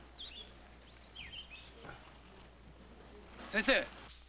先生！